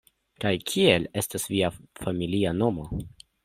Kaj kiel estas via familia nomo?